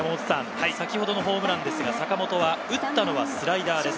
先ほどのホームランですが、坂本は打ったのはスライダーです。